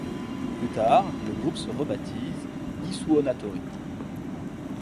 Plus tard, le groupe se rebaptise I Suonatori.